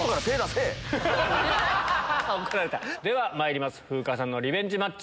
ではまいります風花さんのリベンジマッチ。